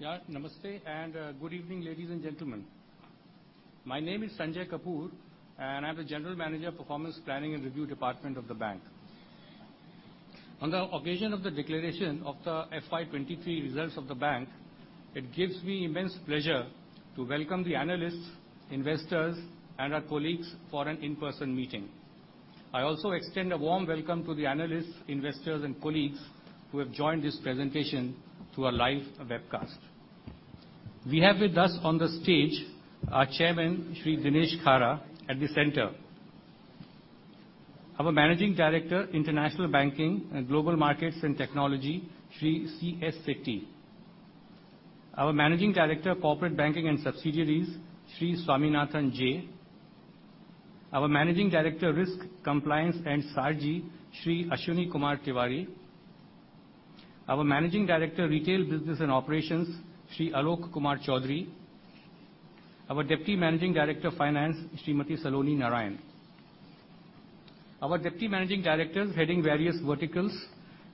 Namaste, and good evening, ladies and gentlemen. My name is Sanjay Kapoor, and I'm the General Manager, Performance Planning and Review department of the bank. On the occasion of the declaration of the FY23 results of the bank, it gives me immense pleasure to welcome the analysts, investors, and our colleagues for an in-person meeting. I also extend a warm welcome to the analysts, investors, and colleagues who have joined this presentation through our live webcast. We have with us on the stage our Chairman, Shri Dinesh Khara at the center. Our Managing Director, International Banking and Global Markets and Technology, Shri C.S. Setty. Our Managing Director, Corporate Banking and Subsidiaries, Shri Swaminathan Janakiraman. Our Managing Director, Risk, Compliance and SARG, Shri Ashwini Kumar Tewari. Our Managing Director, Retail Business and Operations, Shri Alok Kumar Choudhary. Our Deputy Managing Director Finance, Shrimati Saloni Narayan. Our Deputy Managing Directors heading various verticals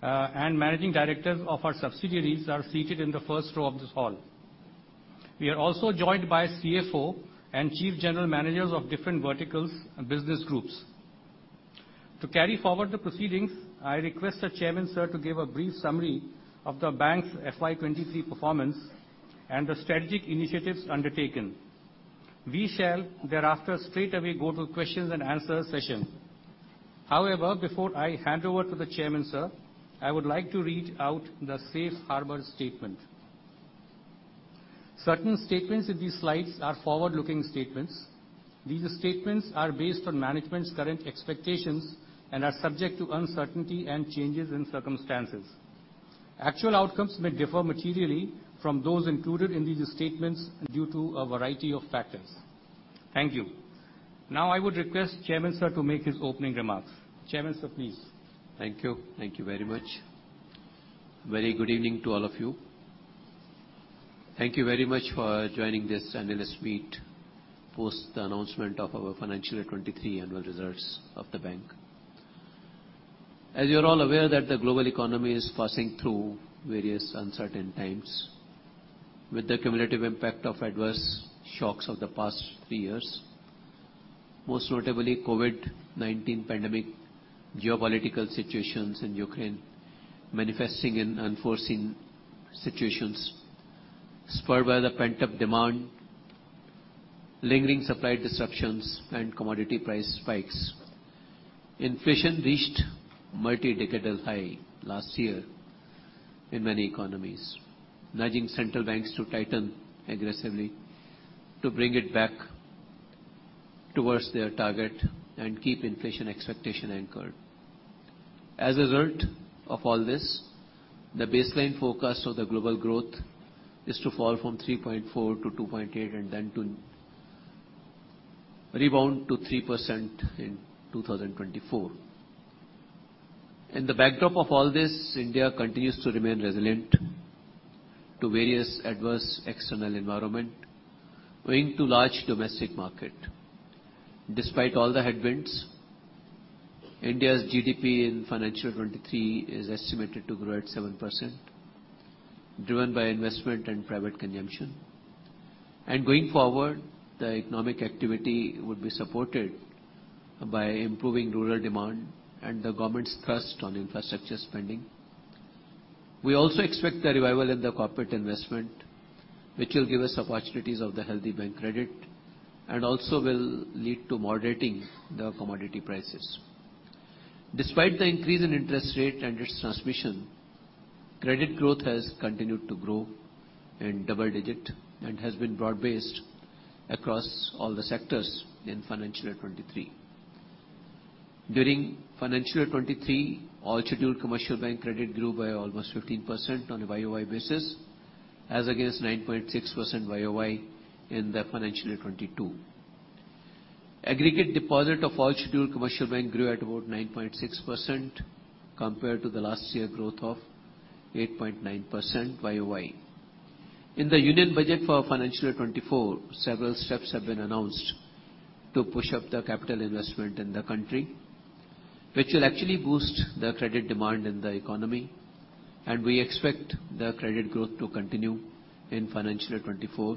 and Managing Directors of our subsidiaries are seated in the first row of this hall. We are also joined by CFO and Chief General Managers of different verticals and business groups. To carry forward the proceedings, I request the Chairman, sir, to give a brief summary of the bank's FY23 performance and the strategic initiatives undertaken. We shall thereafter straightaway go to questions and answers session. Before I hand over to the Chairman, sir, I would like to read out the safe harbor statement. Certain statements in these slides are forward-looking statements. These statements are based on management's current expectations and are subject to uncertainty and changes in circumstances. Actual outcomes may differ materially from those included in these statements due to a variety of factors. Thank you. I would request Chairman, sir, to make his opening remarks. Chairman, sir, please. Thank you. Thank you very much. Very good evening to all of you. Thank you very much for joining this analyst meet post the announcement of our financial year 23 annual results of the bank. As you're all aware that the global economy is passing through various uncertain times with the cumulative impact of adverse shocks of the past three years, most notably COVID-19 pandemic, geopolitical situations in Ukraine manifesting in unforeseen situations, spurred by the pent-up demand, lingering supply disruptions and commodity price spikes. Inflation reached multi-decadal high last year in many economies, nudging central banks to tighten aggressively to bring it back towards their target and keep inflation expectation anchored. As a result of all this, the baseline forecast of the global growth is to fall from 3.4 to 2.8, and then to rebound to 3% in 2024. In the backdrop of all this, India continues to remain resilient to various adverse external environment owing to large domestic market. Despite all the headwinds, India's GDP in financial year 23 is estimated to grow at 7%, driven by investment and private consumption. Going forward, the economic activity would be supported by improving rural demand and the government's thrust on infrastructure spending. We also expect the revival in the corporate investment, which will give us opportunities of the healthy bank credit and also will lead to moderating the commodity prices. Despite the increase in interest rate and its transmission, credit growth has continued to grow in double digit and has been broad-based across all the sectors in financial year 23. During financial year 2023, all scheduled commercial bank credit grew by almost 15% on a YOY basis as against 9.6% YOY in the financial year 2022. Aggregate deposit of all scheduled commercial bank grew at about 9.6% compared to the last year growth of 8.9% YOY. In the Union Budget for financial year 2024, several steps have been announced to push up the capital investment in the country, which will actually boost the credit demand in the economy. We expect the credit growth to continue in financial year 2024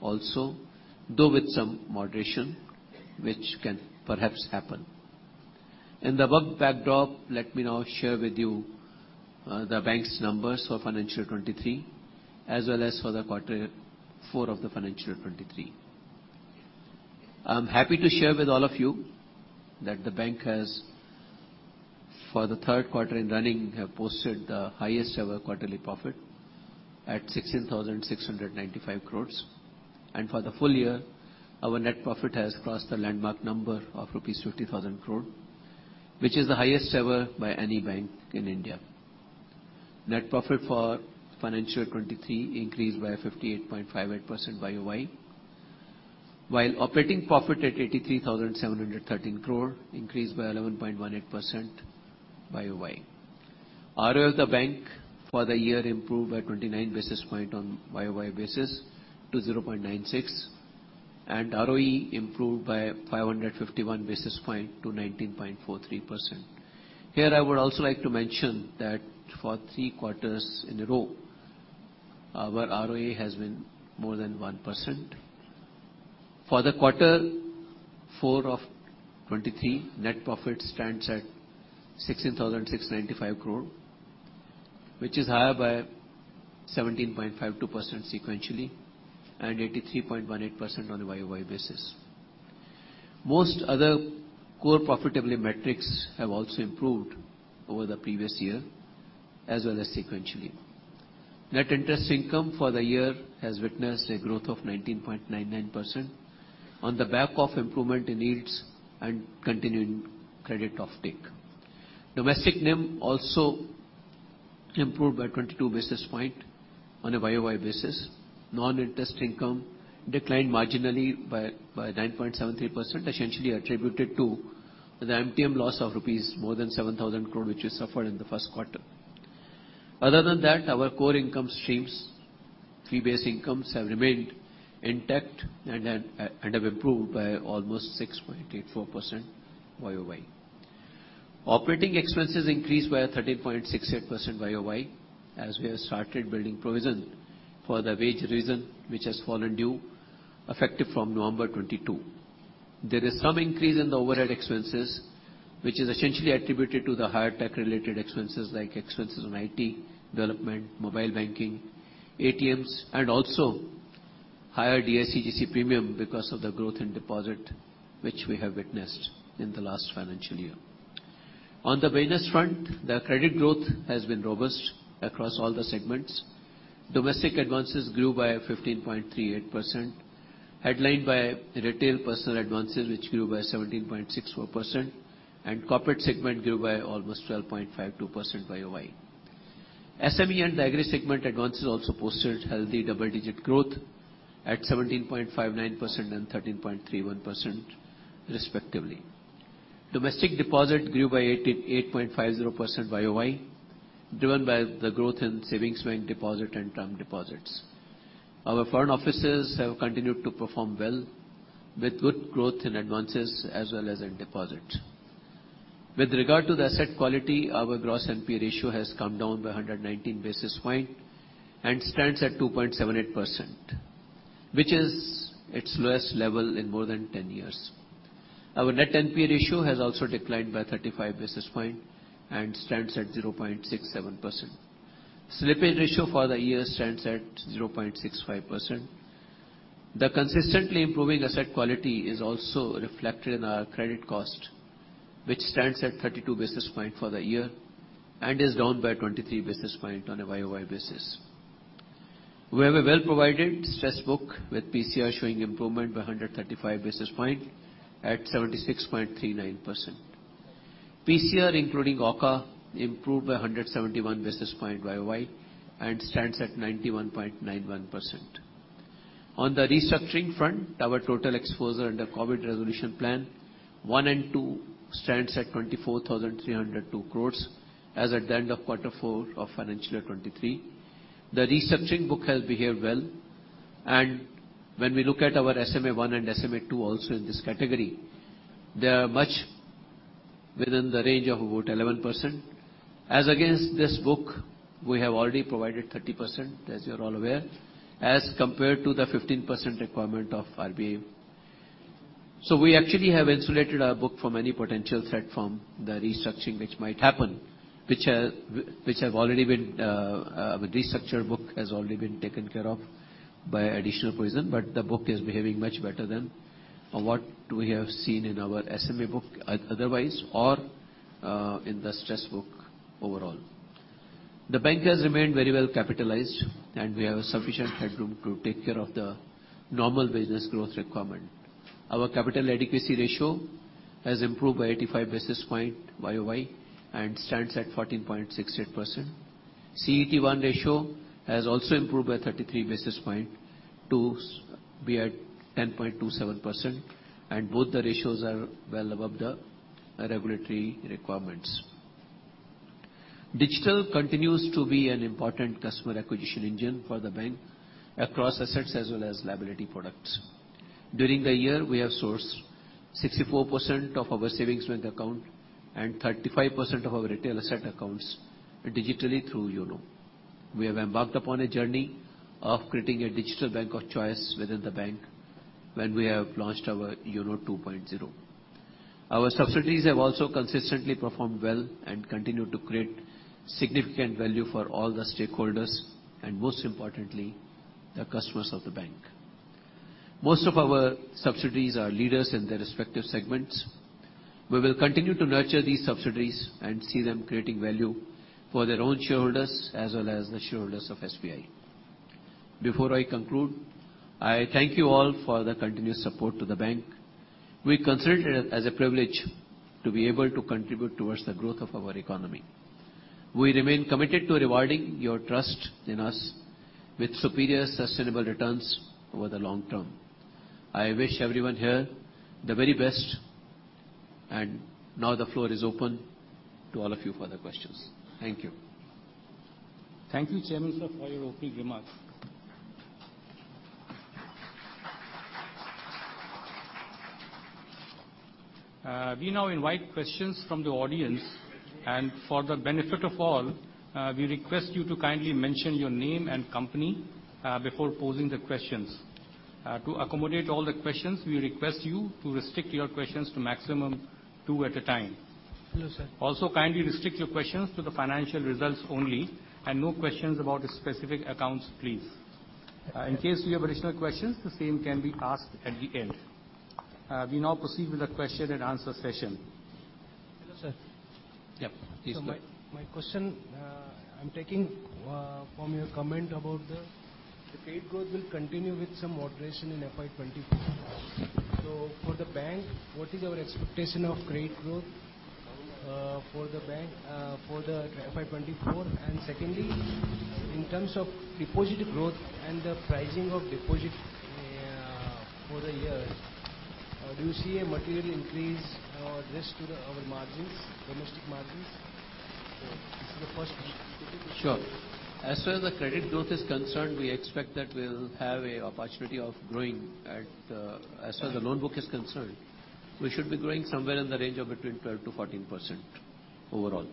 also, though with some moderation, which can perhaps happen. In the work backdrop, let me now share with you the bank's numbers for financial year 2023 as well as for the quarter four of the financial year 2023. I'm happy to share with all of you that the bank has for the third quarter in running have posted the highest ever quarterly profit at 16,695 crore. For the full year, our net profit has crossed the landmark number of rupees 50,000 crore, which is the highest ever by any bank in India. Net profit for financial year 2023 increased by 58.58% YOY. While operating profit at 83,713 crore increased by 11.18% YOY. ROE of the bank for the year improved by 29 basis point on YOY basis to 0.96%. ROE improved by 551 basis point to 19.43%. Here, I would also like to mention that for three quarters in a row, our ROA has been more than 1%. For the quarter four of 2023, net profit stands at 16,695 crore, which is higher by 17.52% sequentially and 83.18% on a YOY basis. Most other core profitability metrics have also improved over the previous year, as well as sequentially. Net interest income for the year has witnessed a growth of 19.99% on the back of improvement in yields and continuing credit offtake. Domestic NIM also improved by 22 basis point on a YOY basis. Non-interest income declined marginally by 9.73%, essentially attributed to the MTM loss of INR more than 7,000 crore, which was suffered in the 1st quarter. Other than that, our core income streams, fee-based incomes, have remained intact and have improved by almost 6.84% YOY. Operating expenses increased by 13.68% YOY as we have started building provision for the wage revision, which has fallen due effective from November 2022. There is some increase in the overhead expenses, which is essentially attributed to the higher tech-related expenses like expenses on IT, development, mobile banking, ATMs, and also higher DICGC premium because of the growth in deposit, which we have witnessed in the last financial year. On the business front, the credit growth has been robust across all the segments. Domestic advances grew by 15.38%, headlined by retail personal advances, which grew by 17.64%, and corporate segment grew by almost 12.52% YOY. SME and the agri segment advances also posted healthy double-digit growth at 17.59% and 13.31% respectively. Domestic deposit grew by 88.50% YOY, driven by the growth in savings bank deposit and term deposits. Our foreign offices have continued to perform well with good growth in advances as well as in deposit. With regard to the asset quality, our gross NPA ratio has come down by 119 basis point and stands at 2.78%, which is its lowest level in more than 10 years. Our net NPA ratio has also declined by 35 basis point and stands at 0.67%. Slippage ratio for the year stands at 0.65%. The consistently improving asset quality is also reflected in our credit cost, which stands at 32 basis point for the year and is down by 23 basis point on a YOY basis. We have a well-provided stress book with PCR showing improvement by 135 basis point at 76.39%. PCR including TWO improved by 171 basis point YOY and stands at 91.91%. On the restructuring front, our total exposure under COVID resolution plan one and two stands at 24,302 crores as at the end of quarter four of financial year 2023. The restructuring book has behaved well. When we look at our SMA 1 and SMA 2 also in this category, they are much within the range of about 11%. As against this book, we have already provided 30%, as you're all aware, as compared to the 15% requirement of RBI. We actually have insulated our book from any potential threat from the restructuring which might happen, which have already been, the restructured book has already been taken care of by additional provision, but the book is behaving much better than what we have seen in our SMA book otherwise or in the stress book overall. The bank has remained very well capitalized, and we have a sufficient headroom to take care of the normal business growth requirement. Our capital adequacy ratio has improved by 85 basis point YOY and stands at 14.68%. CET1 ratio has also improved by 33 basis point to be at 10.27%, and both the ratios are well above the regulatory requirements. Digital continues to be an important customer acquisition engine for the bank across assets as well as liability products. During the year, we have sourced 64% of our savings bank account and 35% of our retail asset accounts digitally through YONO. We have embarked upon a journey of creating a digital bank of choice within the bank when we have launched our YONO 2.0. Our subsidiaries have also consistently performed well and continue to create significant value for all the stakeholders and most importantly, the customers of the bank. Most of our subsidiaries are leaders in their respective segments. We will continue to nurture these subsidiaries and see them creating value for their own shareholders as well as the shareholders of SBI. Before I conclude, I thank you all for the continuous support to the bank. We consider it as a privilege to be able to contribute towards the growth of our economy. We remain committed to rewarding your trust in us with superior, sustainable returns over the long term. I wish everyone here the very best. Now the floor is open to all of you for the questions. Thank you. Thank you, Chairman sir, for your opening remarks. We now invite questions from the audience, and for the benefit of all, we request you to kindly mention your name and company, before posing the questions. To accommodate all the questions, we request you to restrict your questions to maximum two at a time. Hello, sir. Kindly restrict your questions to the financial results only, and no questions about the specific accounts, please. In case you have additional questions, the same can be asked at the end. We now proceed with the question and answer session. Hello, sir. Yep. Please go on. My question, I'm taking from your comment about the credit growth will continue with some moderation in FY24. For the bank, what is our expectation of credit growth for the bank for the FY24? Secondly, in terms of deposit growth and the pricing of deposit for the year, do you see a material increase or risk to our margins, domestic margins? This is the first question. Sure. As far as the credit growth is concerned, we expect that we'll have a opportunity of growing at. As far as the loan book is concerned, we should be growing somewhere in the range of between 12%-14% overall.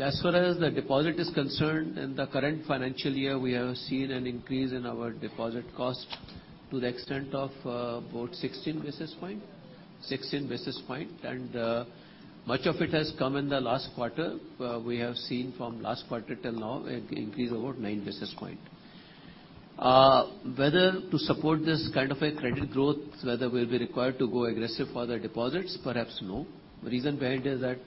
As far as the deposit is concerned, in the current financial year we have seen an increase in our deposit cost to the extent of about 16 basis points, and much of it has come in the last quarter. We have seen from last quarter till now an increase of about nine basis points. Whether to support this kind of a credit growth, whether we'll be required to go aggressive for the deposits? Perhaps no. The reason behind it is that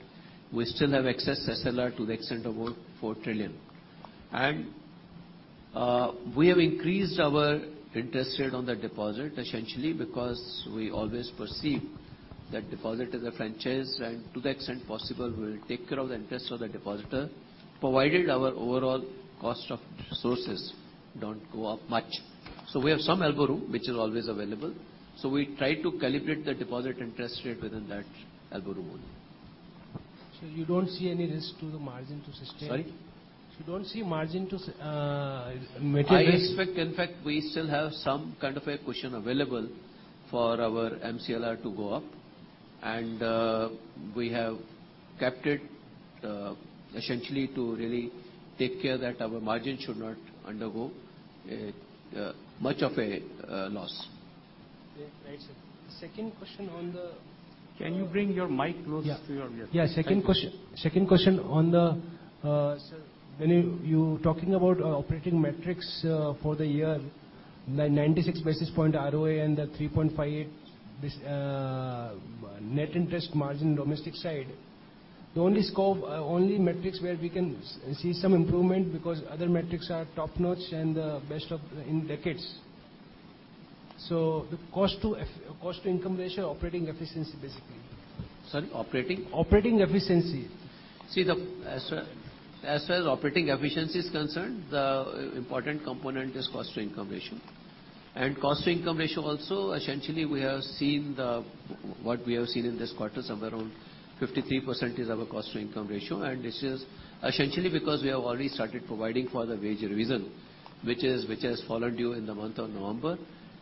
we still have excess SLR to the extent of about 4 trillion. We have increased our interest rate on the deposit essentially because we always perceive that deposit is a franchise, and to the extent possible we will take care of the interest of the depositor, provided our overall cost of resources don't go up much. We have some elbow room which is always available, so we try to calibrate the deposit interest rate within that elbow room only. You don't see any risk to the margin to sustain-? Sorry? You don't see margin to, materialize-. In fact, we still have some kind of a cushion available for our MCLR to go up, and we have capped it essentially to really take care that our margin should not undergo much of a loss. Okay. Right, sir. Second question. Can you bring your mic close to your lips? Yeah. Thank you. Yeah. Second question on the. Sir, when you talking about operating metrics for the year, the 96 basis point ROA and the 3.58 net interest margin domestic side, the only metrics where we can see some improvement, because other metrics are top-notch and the best of in decades. The cost-to-income ratio operating efficiency basically. Sorry, operating? Operating efficiency. See the as far as operating efficiency is concerned, the important component is cost-to-income ratio. Cost-to-income ratio also essentially we have seen What we have seen in this quarter, somewhere around 53% is our cost-to-income ratio. This is essentially because we have already started providing for the wage revision, which has fallen due in the month of November.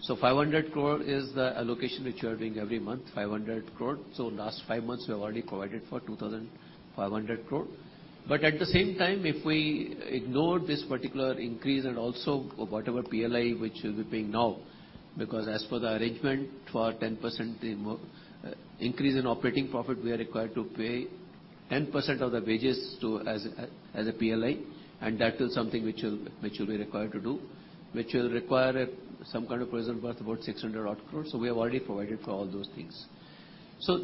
500 crore is the allocation which we are doing every month, 500 crore. Last five months we have already provided for 2,500 crore. At the same time, if we ignore this particular increase and also whatever PLI which we'll be paying now, because as per the arrangement for 10% increase in operating profit, we are required to pay 10% of the wages to, as a PLI, and that is something which we'll be required to do, which will require some kind of provision worth about 600 odd crore. We have already provided for all those things.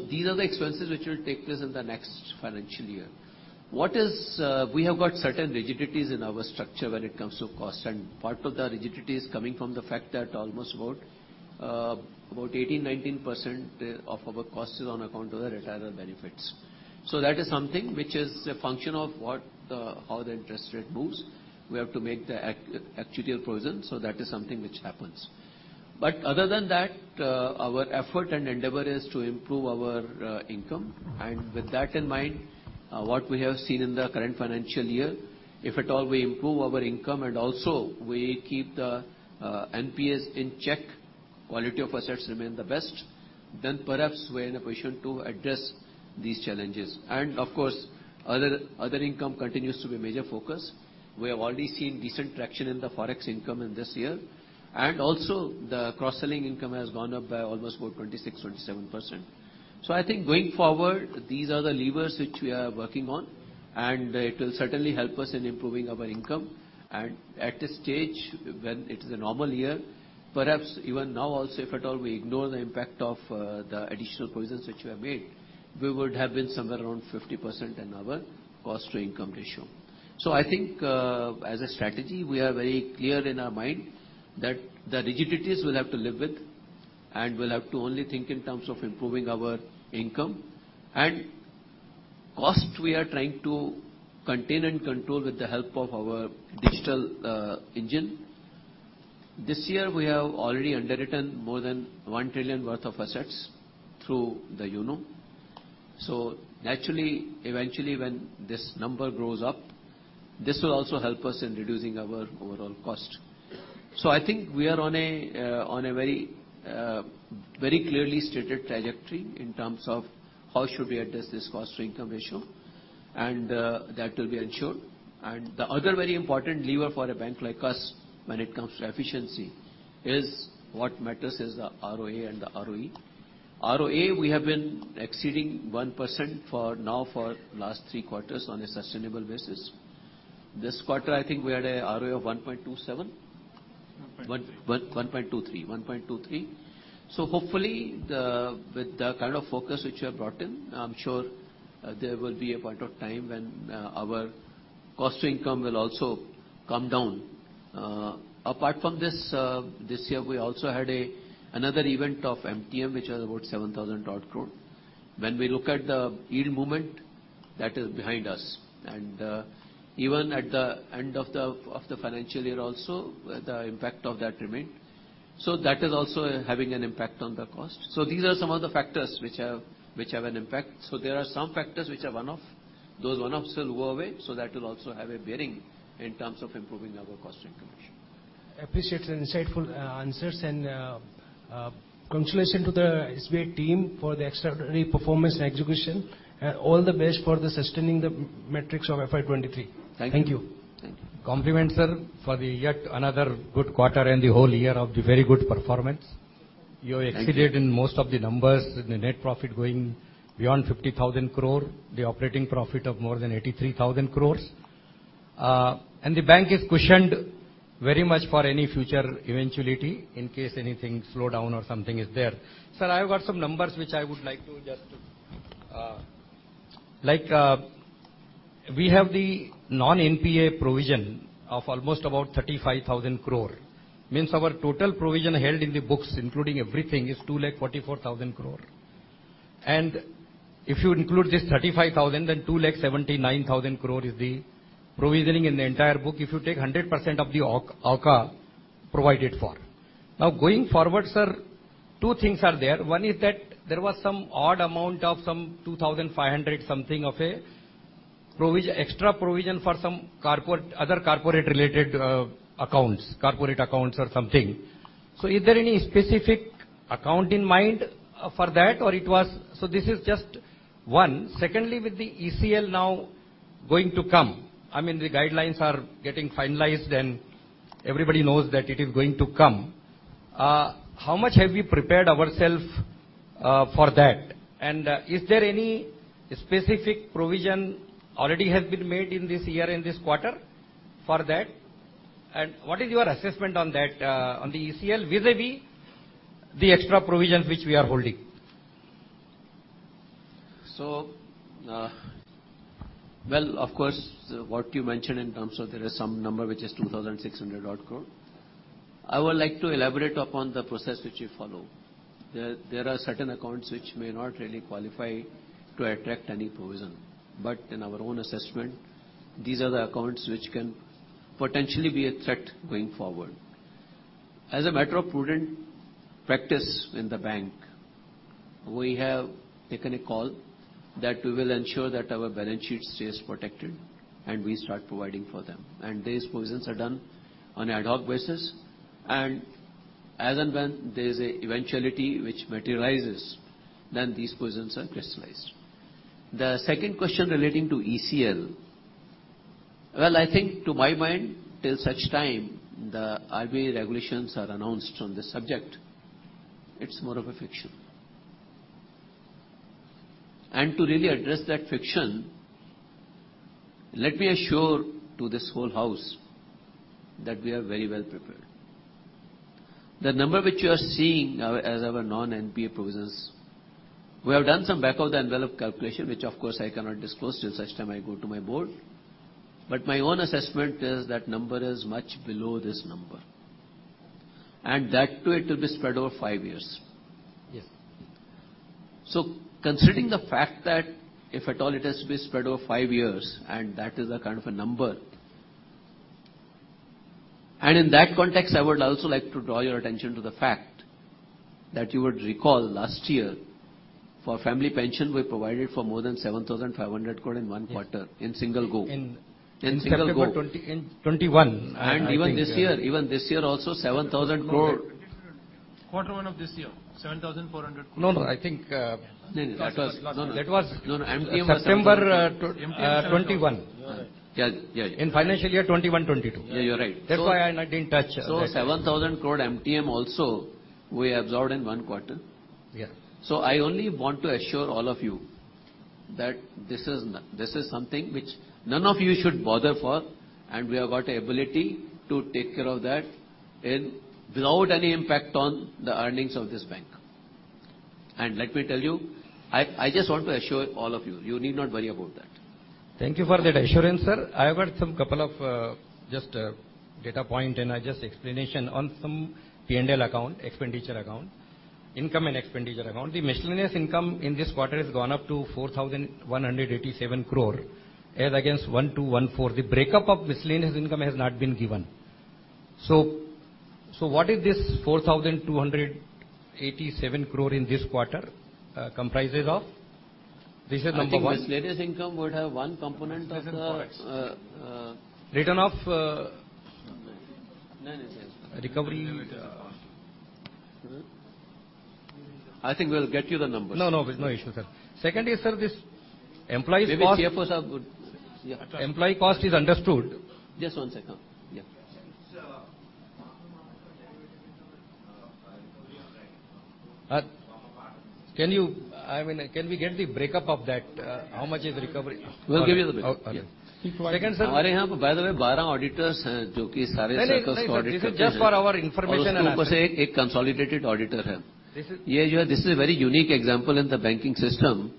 These are the expenses which will take place in the next financial year. We have got certain rigidities in our structure when it comes to cost, and part of the rigidity is coming from the fact that almost about 18%, 19% of our cost is on account of the retirement benefits. That is something which is a function of what the how the interest rate moves. We have to make the actuarial provision, that is something which happens. Other than that, our effort and endeavor is to improve our income. With that in mind, what we have seen in the current financial year, if at all we improve our income and also we keep the NPAs in check, quality of assets remain the best, then perhaps we're in a position to address these challenges. Of course, other income continues to be major focus. We have already seen decent traction in the Forex income in this year. Also the cross-selling income has gone up by almost about 26%-27%. I think going forward, these are the levers which we are working on, and it will certainly help us in improving our income. At this stage, when it is a normal year, perhaps even now also, if at all we ignore the impact of the additional provisions which we have made, we would have been somewhere around 50% in our cost-to-income ratio. I think, as a strategy, we are very clear in our mind that the rigidities we'll have to live with, and we'll have to only think in terms of improving our income. Cost we are trying to contain and control with the help of our digital engine. This year we have already underwritten more than 1 trillion worth of assets through the YONO. Naturally, eventually, when this number grows up, this will also help us in reducing our overall cost. I think we are on a very, very clearly stated trajectory in terms of how should we address this cost-to-income ratio, that will be ensured. The other very important lever for a bank like us when it comes to efficiency is what matters is the ROA and the ROE. ROA, we have been exceeding 1% for now for last three quarters on a sustainable basis. This quarter, I think we had a ROA of 1.27%. 1.3. 1.23. 1.23. Hopefully, with the kind of focus which you have brought in, I'm sure there will be a point of time when our cost to income will also come down. Apart from this year we also had another event of MTM, which was about 7,000 crore. When we look at the yield movement, that is behind us. Even at the end of the financial year also, the impact of that remained. That is also having an impact on the cost. These are some of the factors which have an impact. There are some factors which are one-off. Those one-offs will go away, that will also have a bearing in terms of improving our cost income ratio. Appreciate the insightful answers and congratulation to the SBI team for the extraordinary performance and execution. All the best for the sustaining the metrics of FY 23. Thank you. Thank you. Thank you. Compliments, sir, for the yet another good quarter and the whole year of the very good performance. Thank you. You have exceeded in most of the numbers with the net profit going beyond 50,000 crore, the operating profit of more than 83,000 crores. The bank is cushioned very much for any future eventuality in case anything slow down or something is there. Sir, I have got some numbers which I would like to just, we have the non-NPA provision of almost about 35,000 crore. Means our total provision held in the books, including everything, is 2,44,000 crore. If you include this 35,000, then 2,79,000 crore is the provisioning in the entire book if you take 100% of the AUCA provided for. Going forward, Sir, two things are there. One is that there was some odd amount of some 2,500 something of a provision, extra provision for some corporate, other corporate related accounts, corporate accounts or something. Is there any specific account in mind for that or it was? This is just one. Secondly, with the ECL now going to come, I mean, the guidelines are getting finalized and everybody knows that it is going to come, how much have we prepared ourself for that? Is there any specific provision already has been made in this year, in this quarter for that? What is your assessment on that, on the ECL vis-a-vis the extra provisions which we are holding? Well, of course, what you mentioned in terms of there is some number which is 2,600 odd crore. I would like to elaborate upon the process which we follow. There are certain accounts which may not really qualify to attract any provision, but in our own assessment, these are the accounts which can potentially be a threat going forward. As a matter of prudent practice in the bank, we have taken a call that we will ensure that our balance sheet stays protected and we start providing for them, and these provisions are done on ad hoc basis. As and when there is a eventuality which materializes, then these provisions are crystallized. The second question relating to ECL. Well, I think to my mind, till such time the RBI regulations are announced on this subject, it's more of a fiction. To really address that fiction, let me assure to this whole house that we are very well prepared. The number which you are seeing now as our non-NPA provisions, we have done some back of the envelope calculation, which of course I cannot disclose till such time I go to my board, but my own assessment is that number is much below this number, and that too it will be spread over five years. Yes. Considering the fact that if at all it has to be spread over five years, and that is a kind of a number. In that context, I would also like to draw your attention to the fact that you would recall last year for family pension, we provided for more than 7,500 crore in one quarter. Yes. In single go. In- In single go. In September in 2021. Even this year also 7,000 crore. Quarter one of this year, 7,400 crore. No, no, I think. No, no. Last one. No, no. That was- No, no. MTM. September, 2021. Yes. Yes. In financial year 2021, 2022. Yeah, you're right. That's why I not in touch. 7,000 crore MTM also we absorbed in one quarter. Yeah. I only want to assure all of you that this is something which none of you should bother for, and we have got the ability to take care of that without any impact on the earnings of this bank. Let me tell you, I just want to assure all of you need not worry about that. Thank you for that assurance, sir. I have got some couple of, just, data point and, just explanation on some P&L account, expenditure account. Income and expenditure account. The miscellaneous income in this quarter has gone up to 4,187 crore, as against 1,214. The breakup of miscellaneous income has not been given. What is this 4,287 crore in this quarter comprises of? This is number one. I think miscellaneous income would have one component of the. Return of, No, no, sir. Recovery. Limited. I think we'll get you the numbers. No, no. No issue, sir. Second is, sir, this employees' cost- Maybe CFOs have good. Yeah. Employee cost is understood. Just one second. Yeah. Sir. I mean, can we get the breakup of that? How much is recovery? We'll give you the breakdown. Okay. Keep quiet. Second, sir. Our here by the way, 12 auditors, haan, jo ki saare circles ko audit karte hai. No, no. This is just for our information and analysis. uske upar se ek consolidated auditor hai. This is- Ye jo hai, this is a very unique example in the banking system.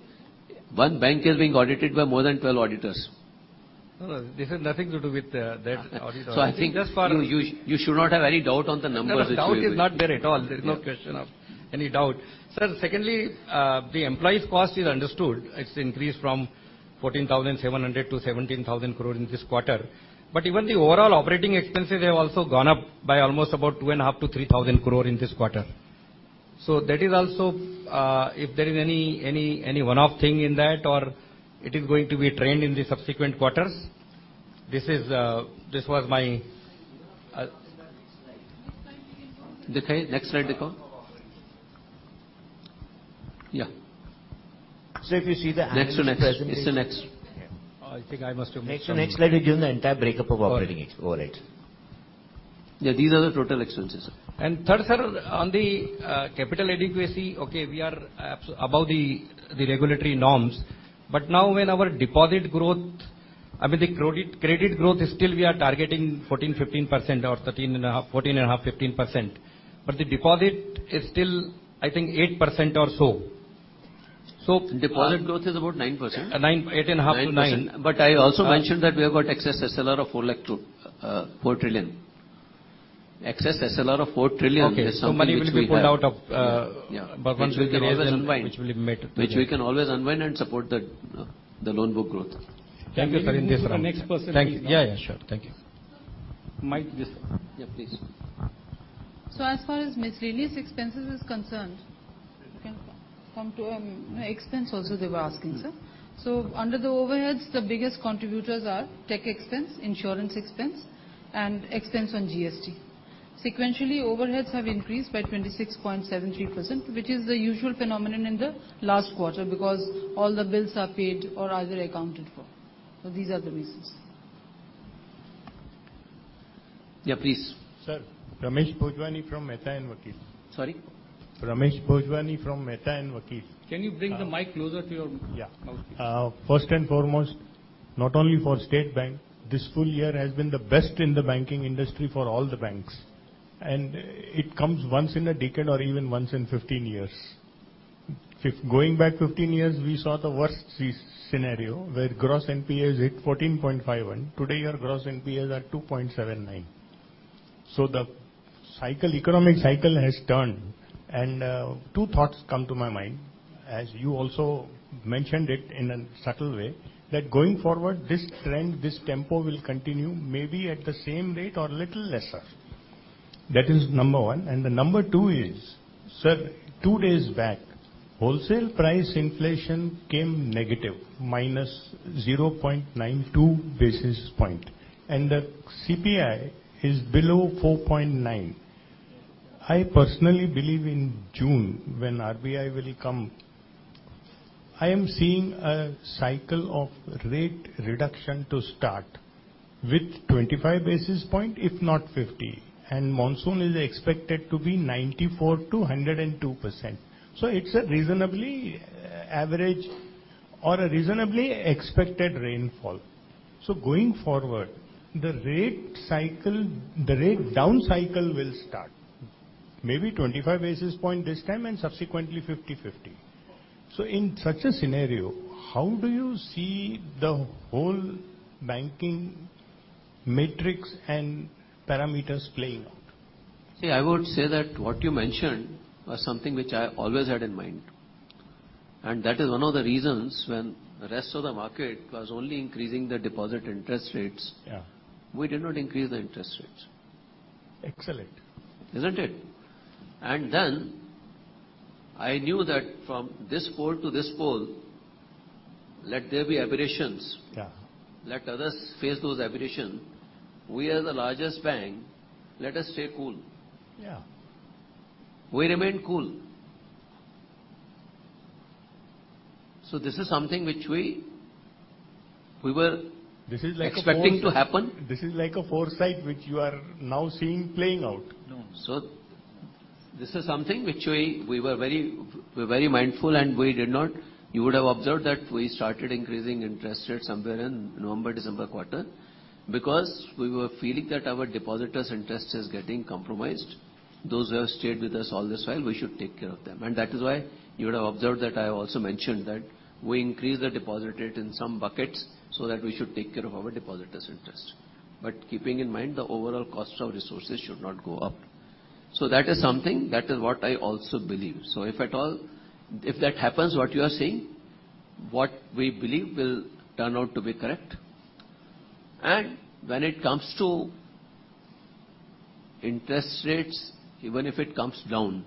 One bank is being audited by more than 12 auditors. No, no. This has nothing to do with that audit. So I think- Just for- You should not have any doubt on the numbers which we give. No, the doubt is not there at all. There's no question of any doubt. Sir, secondly, the employees' cost is understood. It's increased from 14,700 to 17,000 crore in this quarter. Even the overall operating expenses have also gone up by almost about 2,500 crore-3,000 crore in this quarter. That is also, if there is any one-off thing in that, or it is going to be a trend in the subsequent quarters. This was my. Next slide. Next slide. Dikhaye. Next slide dikhao. Operating. Yeah. If you see the annual presentation. Next to next. It's the next. Yeah. I think I must have missed something. Next to next slide, it gives the entire breakup of operating ex- overheads. Yeah, these are the total expenses, sir. Third, sir, on the capital adequacy, okay, we are above the regulatory norms. Now when our deposit growth, I mean, the credit growth is still we are targeting 14%, 15% or 13.5%, 14.5%, 15%. The deposit is still, I think, 8% or so. Deposit growth is about 9%. Uh, nine, eight and a half to nine. 9%. I also mentioned that we have got excess SLR of 4 lakh crore, 4 trillion. Excess SLR of 4 trillion is something which we have. Okay. money will be pulled out of. Yeah. Bhagwan ji reha hai. Which we can always unwind. Which will be met. Which we can always unwind and support the loan book growth. Thank you, sir, in this round. Can we move to the next person please now? Thank you. Yeah, yeah, sure. Thank you. Mic this. Yeah, please. As far as miscellaneous expenses is concerned, you can come to expense also they were asking, sir. Under the overheads, the biggest contributors are tech expense, insurance expense, and expense on GST. Sequentially, overheads have increased by 26.73%, which is the usual phenomenon in the last quarter because all the bills are paid or either accounted for. These are the reasons. Yeah, please. Sir, Ramesh Bhojwani from Mehta and Vakil. Sorry? Ramesh Bhojwani from Mehta and Vakil. Can you bring the mic closer to your mouth please? Yeah. First and foremost, not only for State Bank, this full year has been the best in the banking industry for all the banks. It comes once in a decade or even once in 15 years. Going back 15 years, we saw the worst scenario where gross NPAs hit 14.51. Today, your gross NPAs are 2.79. The cycle, economic cycle has turned. two thoughts come to my mind, as you also mentioned it in a subtle way, that going forward, this trend, this tempo will continue maybe at the same rate or little lesser. That is number one. The number two is, sir, two days back, wholesale price inflation came negative, -0.92 basis point, and the CPI is below 4.9. I personally believe in June when RBI will come, I am seeing a cycle of rate reduction to start with 25 basis point, if not 50. Monsoon is expected to be 94%-102%. It's a reasonably average or a reasonably expected rainfall. Going forward, the rate cycle, the rate down cycle will start maybe 25 basis point this time and subsequently 50-50. In such a scenario, how do you see the whole banking metrics and parameters playing out? See, I would say that what you mentioned was something which I always had in mind. That is one of the reasons when the rest of the market was only increasing the deposit interest rates- Yeah we did not increase the interest rates. Excellent. Isn't it? Then I knew that from this pole to this pole, let there be aberrations. Yeah. Let others face those aberrations. We are the largest bank. Let us stay cool. Yeah. We remain cool. This is something which we were. This is like a foresight. expecting to happen. This is like a foresight which you are now seeing playing out. This is something which we were very mindful, and we did not, You would have observed that we started increasing interest rates somewhere in November, December quarter because we were feeling that our depositors' interest is getting compromised. Those who have stayed with us all this while, we should take care of them. That is why you would have observed that I also mentioned that we increased the deposit rate in some buckets so that we should take care of our depositors' interest. Keeping in mind the overall cost of resources should not go up. That is something, that is what I also believe. If at all. If that happens, what you are saying, what we believe will turn out to be correct. When it comes to interest rates, even if it comes down,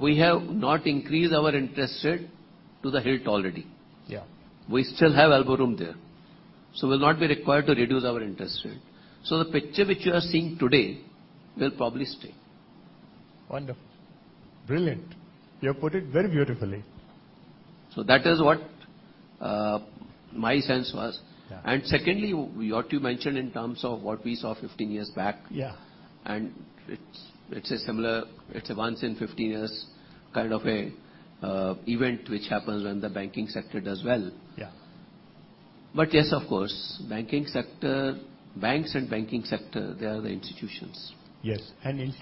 we have not increased our interest rate to the hilt already. Yeah. We still have elbow room there, so we'll not be required to reduce our interest rate. The picture which you are seeing today will probably stay. Wonderful. Brilliant. You have put it very beautifully. That is what, my sense was. Yeah. Secondly, what you mentioned in terms of what we saw 15 years back. Yeah. It's a once in 15 years kind of a event which happens when the banking sector does well. Yeah. Yes, of course, banking sector, banks and banking sector, they are the institutions. Yes.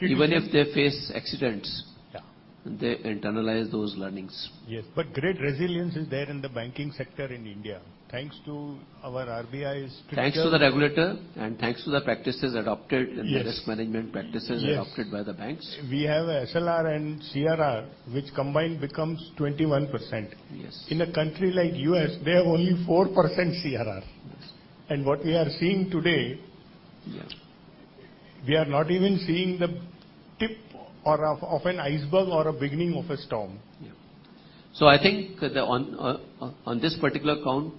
Even if they face accidents. Yeah. they internalize those learnings. Yes. Great resilience is there in the banking sector in India. Thanks to our RBI's structure- Thanks to the regulator and thanks to the practices adopted- Yes. the risk management practices Yes. adopted by the banks. We have SLR and CRR, which combined becomes 21%. Yes. In a country like U.S., they have only 4% CRR. Yes. What we are seeing today. Yes. we are not even seeing the tip or of an iceberg or a beginning of a storm. Yeah. I think on this particular count,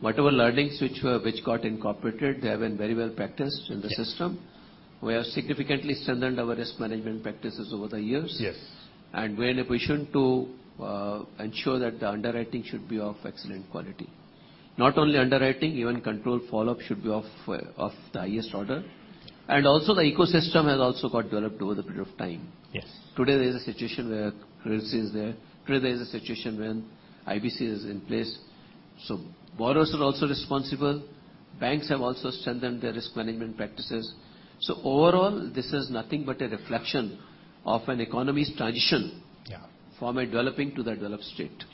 whatever learnings which were, which got incorporated, they have been very well practiced in the system. Yes. We have significantly strengthened our risk management practices over the years. Yes. We are in a position to ensure that the underwriting should be of excellent quality. Not only underwriting, even control follow-up should be of the highest order. Also the ecosystem has also got developed over the period of time. Yes. Today, there is a situation where currency is there. Today, there is a situation when IBC is in place, so borrowers are also responsible. Banks have also strengthened their risk management practices. Overall, this is nothing but a reflection of an economy's transition. Yeah. from a developing to the developed state. Yes.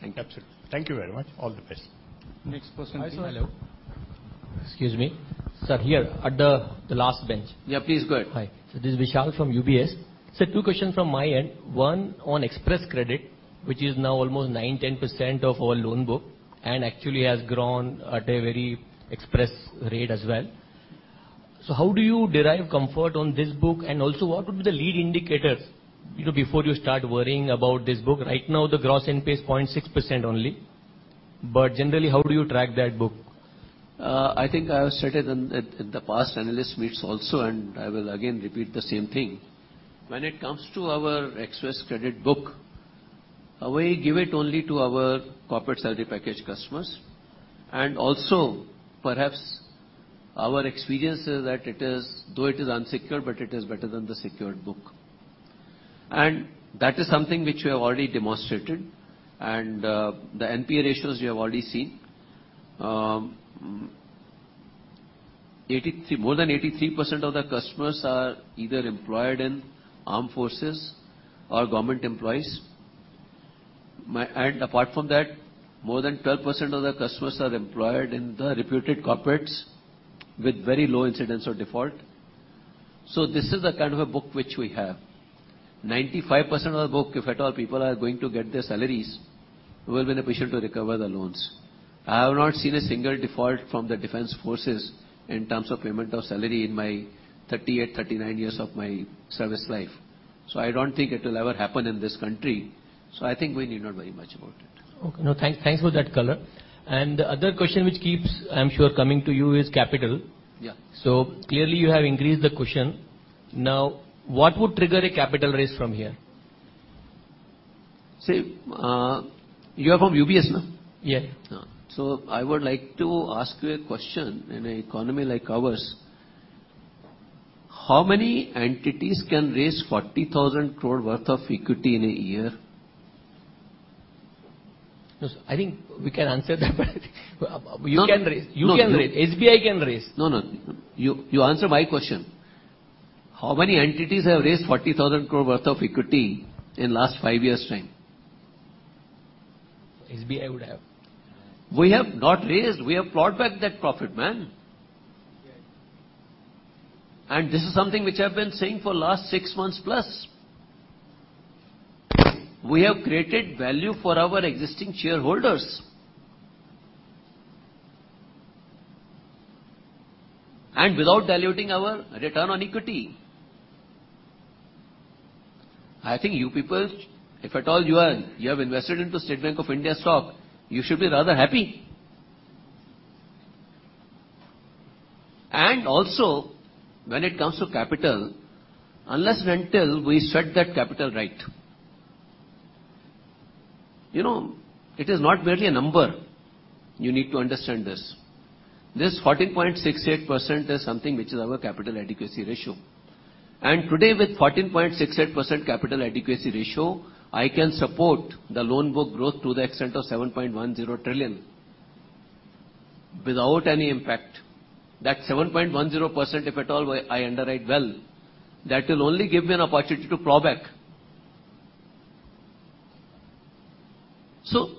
Thank you. Absolutely. Thank you very much. All the best. Next person please. Hello? Excuse me. Sir, here at the last bench. Yeah, please go ahead. Hi. This is Vishal from UBS. Sir, two questions from my end. One on Xpress Credit, which is now almost 9-10% of our loan book and actually has grown at a very express rate as well. How do you derive comfort on this book? Also, what would be the lead indicators, you know, before you start worrying about this book? Right now the gross NPA is 0.6% only, but generally how do you track that book? I think I have stated in the past analyst meets also. I will again repeat the same thing. When it comes to our Xpress Credit book, we give it only to our corporate salary package customers and also perhaps our experience is that it is, though it is unsecured, but it is better than the secured book. That is something which we have already demonstrated and the NPA ratios you have already seen. More than 83% of the customers are either employed in armed forces or government employees. Apart from that, more than 12% of the customers are employed in the reputed corporates with very low incidence of default. This is the kind of a book which we have. 95% of the book, if at all people are going to get their salaries, we will be in a position to recover the loans. I have not seen a single default from the defense forces in terms of payment of salary in my 38, 39 years of my service life, so I don't think it will ever happen in this country. I think we need not worry much about it. Okay. No, thanks for that color. The other question which keeps, I'm sure, coming to you is capital. Yeah. Clearly you have increased the cushion. Now, what would trigger a capital raise from here? Say, you are from UBS, no? Yeah. I would like to ask you a question. In an economy like ours, how many entities can raise 40,000 crore worth of equity in a year? No, I think we can answer that. You can raise- No. You can raise. No. SBI can raise. No, no. You answer my question. How many entities have raised 40,000 crore worth of equity in last five years' time? SBI would have. We have not raised. We have plowed back that profit, man. Yes. This is something which I've been saying for last six months plus. We have created value for our existing shareholders. Without diluting our return on equity. I think you people, if at all you are, you have invested into State Bank of India stock, you should be rather happy. When it comes to capital, unless and until we set that capital right. You know, it is not merely a number. You need to understand this. This 14.68% is something which is our capital adequacy ratio. Today with 14.68% capital adequacy ratio, I can support the loan book growth to the extent of 7.10 trillion without any impact. That 7.10%, if at all I underwrite well, that will only give me an opportunity to plow back.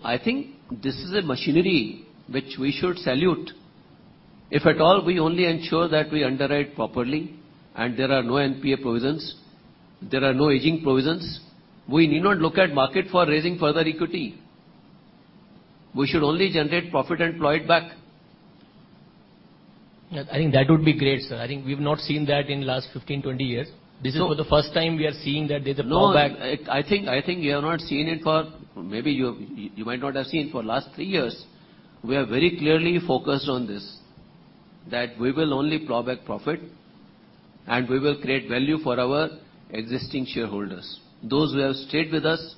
I think this is a machinery which we should salute. If at all, we only ensure that we underwrite properly and there are no NPA provisions, there are no aging provisions, we need not look at market for raising further equity. We should only generate profit and plow it back. Yes, I think that would be great, sir. I think we've not seen that in the last 15, 20 years. No. This is for the first time we are seeing that there's a drawback. No. I think you might not have seen for last three years. We are very clearly focused on this, that we will only plowback profit and we will create value for our existing shareholders. Those who have stayed with us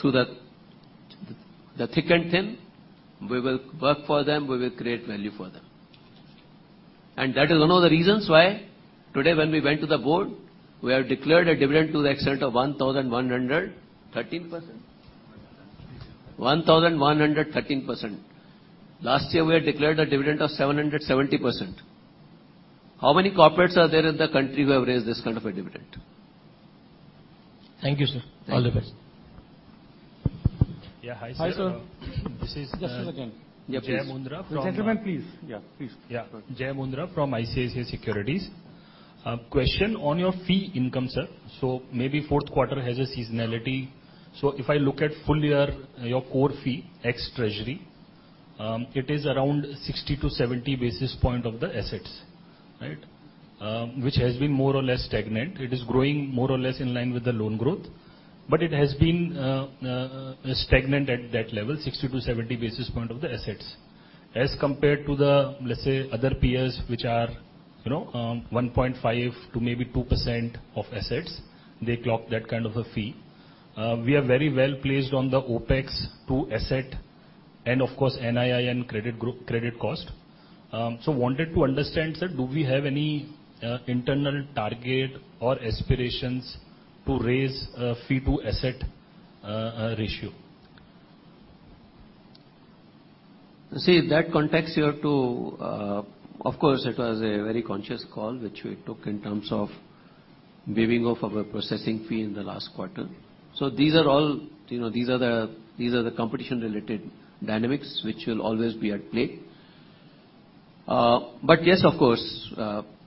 through the thick and thin, we will work for them, we will create value for them. That is one of the reasons why today when we went to the board, we have declared a dividend to the extent of 1,113%. 1,113%. Last year, we had declared a dividend of 770%. How many corporates are there in the country who have raised this kind of a dividend? Thank you, sir. Thank you. All the best. Yeah. Hi, sir. Hi, sir. This is- Yes, sir. Again. Yeah, please. Jai Mundhra. Gentleman, please. Yeah. Please. Yeah. Jai Mundhra from ICICI Securities. A question on your fee income, sir. Maybe fourth quarter has a seasonality. If I look at full year, your core fee, ex-treasury, it is around 60 to 70 basis points of the assets, right? Which has been more or less stagnant. It is growing more or less in line with the loan growth, but it has been stagnant at that level, 60 to 70 basis points of the assets. As compared to the, let's say, other peers which are, you know, 1.5% to maybe 2% of assets, they clock that kind of a fee. We are very well placed on the OpEx to asset and of course, NII credit cost. Wanted to understand, sir, do we have any internal target or aspirations to raise fee to asset ratio? That context you have to. Of course, it was a very conscious call which we took in terms of waiving off our processing fee in the last quarter. These are all, you know, these are the competition related dynamics which will always be at play. Yes, of course,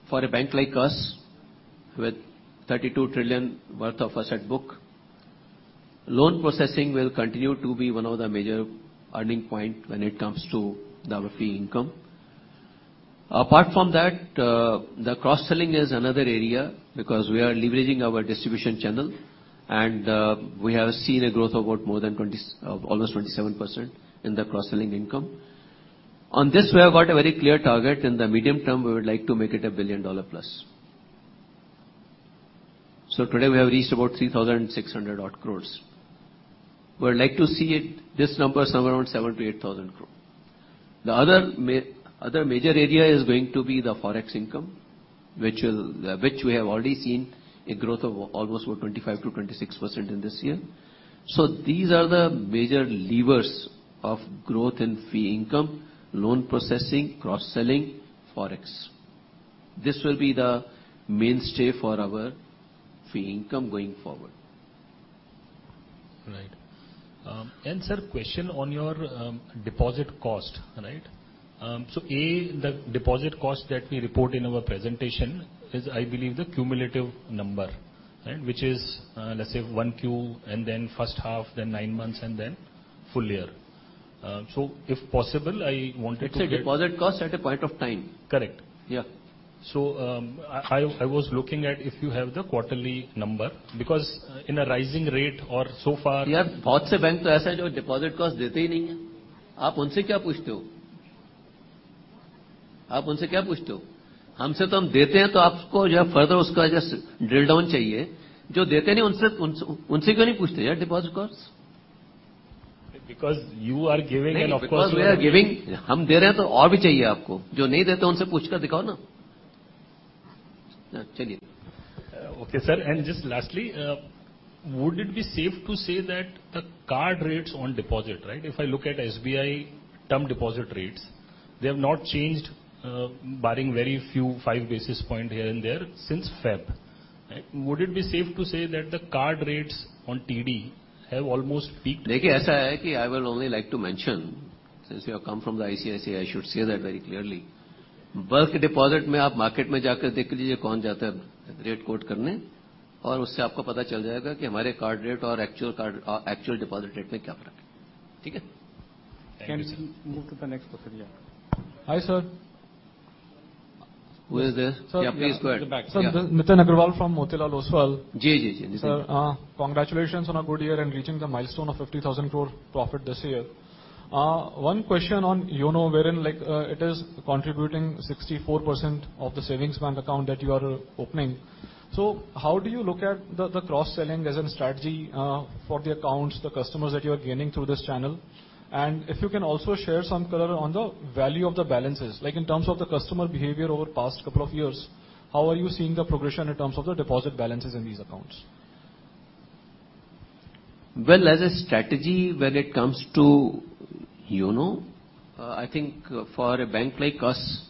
for a bank like us, with 32 trillion worth of asset book, loan processing will continue to be one of the major earning point when it comes to our fee income. The cross-selling is another area because we are leveraging our distribution channel and we have seen a growth of about more than almost 27% in the cross-selling income. On this, we have got a very clear target. In the medium term, we would like to make it a $1 billion plus. Today, we have reached about 3,600 odd crores. We would like to see this number somewhere around 7,000-8,000 crore. The other major area is going to be the Forex income, which will, which we have already seen a growth of almost about 25%-26% in this year. These are the major levers of growth in fee income, loan processing, cross-selling, Forex. This will be the mainstay for our fee income going forward. Right. Sir, question on your deposit cost, right? A, the deposit cost that we report in our presentation is, I believe, the cumulative number, right? Which is, let's say 1 Q, then first half, then 9 months, then full year. If possible. It's a deposit cost at a point of time. Correct. Yeah. I was looking at if you have the quarterly number, Because you are giving and of course. Because we are giving. Okay, sir. Just lastly, would it be safe to say that the card rates on deposit, right? If I look at SBI term deposit rates, they have not changed, barring very few five basis points here and there since Feb, right? Would it be safe to say that the card rates on TD have almost peaked? Thank you, sir. Can we move to the next person? Yeah. Hi, sir. Who is this? Sir. Yeah, please go ahead. At the back. Yeah. Sir, Nitin Aggarwal from Motilal Oswal. Sir, congratulations on a good year and reaching the milestone of 50,000 crore profit this year. One question on YONO wherein like, it is contributing 64% of the savings bank account that you are opening. How do you look at the cross-selling as a strategy for the accounts, the customers that you are gaining through this channel? If you can also share some color on the value of the balances, like in terms of the customer behavior over past couple of years, how are you seeing the progression in terms of the deposit balances in these accounts? Well, as a strategy, when it comes to YONO, I think for a bank like us,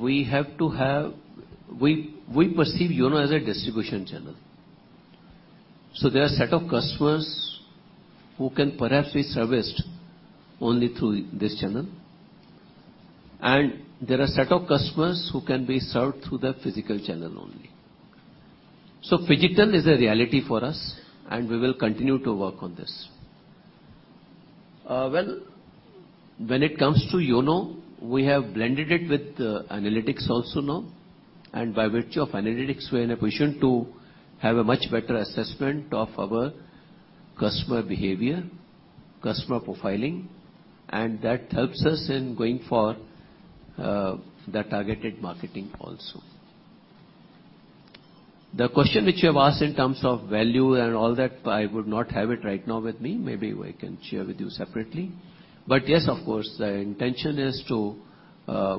we perceive YONO as a distribution channel. There are a set of customers who can perhaps be serviced only through this channel, and there are a set of customers who can be served through the physical channel only. Phygital is a reality for us, and we will continue to work on this. Well, when it comes to YONO, we have blended it with analytics also now, and by virtue of analytics, we're in a position to have a much better assessment of our customer behavior, customer profiling, and that helps us in going for the targeted marketing also. The question which you have asked in terms of value and all that, I would not have it right now with me. Maybe I can share with you separately. Yes, of course, the intention is to,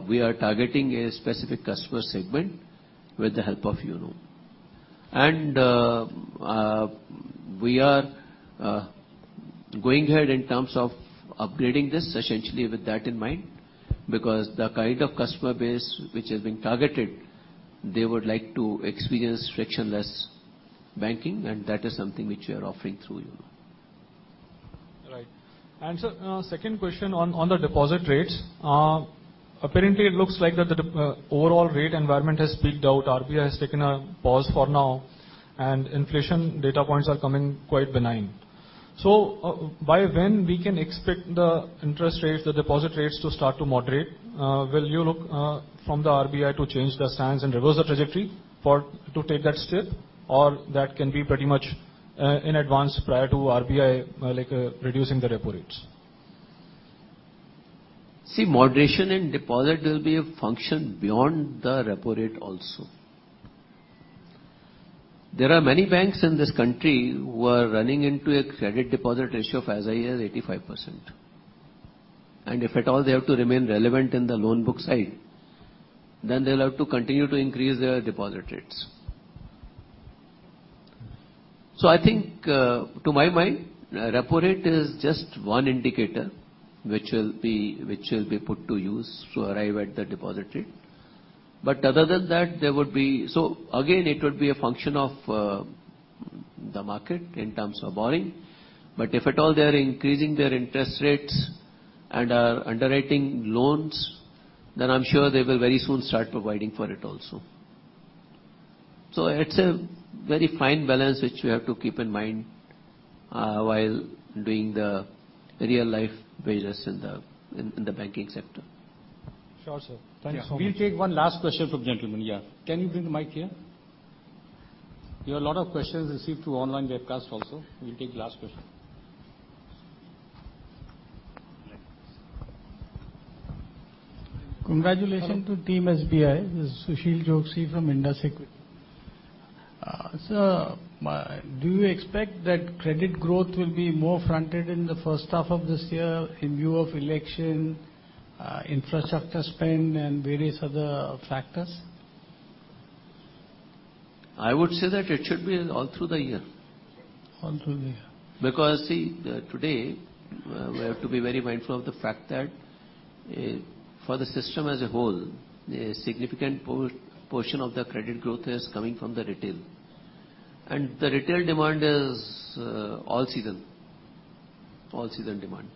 we are targeting a specific customer segment with the help of YONO. We are going ahead in terms of upgrading this essentially with that in mind, because the kind of customer base which is being targeted, they would like to experience frictionless banking, and that is something which we are offering through YONO. Right. Sir, second question on the deposit rates. Apparently it looks like that the overall rate environment has peaked out. RBI has taken a pause for now, and inflation data points are coming quite benign. By when we can expect the interest rates, the deposit rates to start to moderate? Will you look from the RBI to change their stance and reverse the trajectory to take that step? Or that can be pretty much in advance prior to RBI, like, reducing the repo rates? Moderation in deposit will be a function beyond the repo rate also. There are many banks in this country who are running into a credit deposit ratio of as high as 85%. If at all they have to remain relevant in the loan book side, then they'll have to continue to increase their deposit rates. I think, to my mind, repo rate is just one indicator which will be put to use to arrive at the deposit rate. Other than that, there would be. Again, it would be a function of the market in terms of borrowing. If at all they're increasing their interest rates and are underwriting loans, then I'm sure they will very soon start providing for it also. It's a very fine balance which we have to keep in mind, while doing the real-life business in the banking sector. Sure, sir. Thanks so much. Yeah. We'll take one last question from gentleman, yeah. Can you bring the mic here? We have a lot of questions received through online webcast also. We'll take the last question. Congratulations to team SBI. This is Sushil Jogi from IndusInd. Sir, do you expect that credit growth will be more front-ended in the first half of this year in view of election, infrastructure spend and various other factors? I would say that it should be all through the year. All through the year. See, today, we have to be very mindful of the fact that, for the system as a whole, a significant portion of the credit growth is coming from the retail. The retail demand is, all season demand.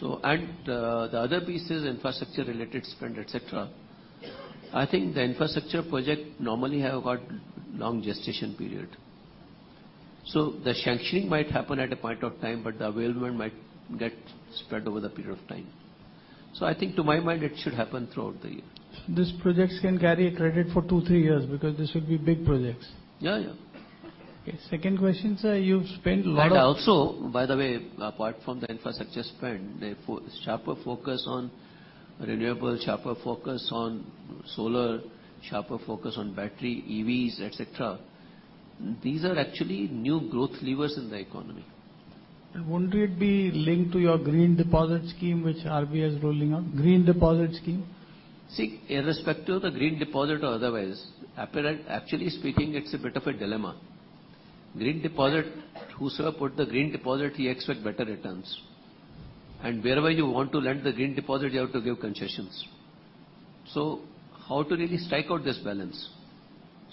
The other piece is infrastructure-related spend, et cetera. I think the infrastructure project normally have got long gestation period. The sanctioning might happen at a point of time, but the availment might get spread over the period of time. I think to my mind, it should happen throughout the year. These projects can carry a credit for two, three years because this will be big projects. Yeah, yeah. Okay. Second question, sir. You've spent a lot of... Also, by the way, apart from the infrastructure spend, the sharper focus on renewable, sharper focus on solar, sharper focus on battery, EVs, et cetera, these are actually new growth levers in the economy. Won't it be linked to your green deposit scheme which RBI is rolling out? Green deposit scheme. See, irrespective of the green deposit or otherwise, actually speaking, it's a bit of a dilemma. Green deposit, whosoever put the green deposit, he expect better returns. Wherever you want to lend the green deposit, you have to give concessions. How to really strike out this balance?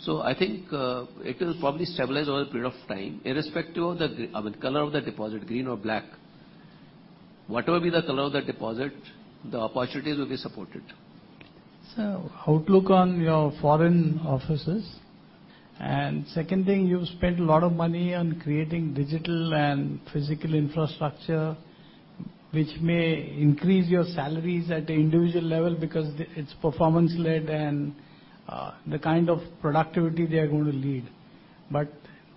I think it will probably stabilize over a period of time, irrespective of the, I mean, color of the deposit, green or black. Whatever be the color of the deposit, the opportunities will be supported. Sir, outlook on your foreign offices. Second thing, you've spent a lot of money on creating digital and physical infrastructure, which may increase your salaries at the individual level because it's performance-led and the kind of productivity they are going to lead.